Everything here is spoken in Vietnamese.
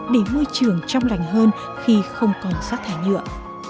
để môi trường trong lành hơn khi không còn sát thải nhựa